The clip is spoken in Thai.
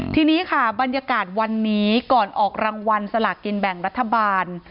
ทีนี้ค่ะบรรยากาศวันนี้ก่อนออกรางวัลสลากกินแบ่งรัฐบาล